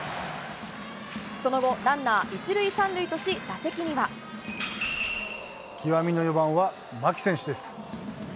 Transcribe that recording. その後、ランナー１塁３塁とし、打席には。極みの４番は牧選手です。